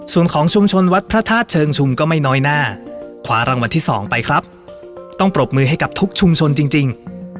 ส่วนของชุมชนวัดพระธาตุเชิงชุมก็ไม่น้อยหน้าขวารางวัลที่สองไปครับต้องปรบมือให้กับทุกชุมชนจริง